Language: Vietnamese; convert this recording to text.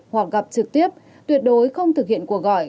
hoặc gặp trực tiếp tuyệt đối không thực hiện cuộc gọi